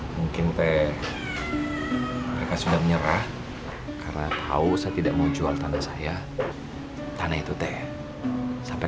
mungkin teh mereka sudah menyerah karena tahu saya tidak mau jual tanah saya tanah itu teh sampai